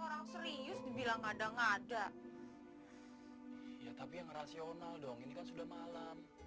orang serius dibilang ada ngada ya tapi yang rasional dong ini kan sudah malam